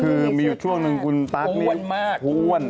คือมีช่วงนึงคุณตั๊กนี้พูดอ้วน